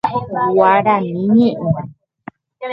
Guarani ñe'ẽ.